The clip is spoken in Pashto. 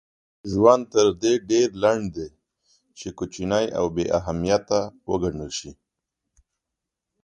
ژوند تر دې ډېر لنډ دئ، چي کوچني او بې اهمیت وګڼل سئ.